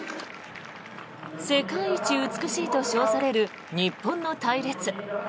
世界一美しいと称される日本の隊列。